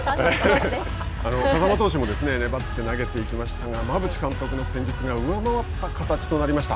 風間投手も粘って投げていきましたが馬淵監督の戦術が上回った形となりました。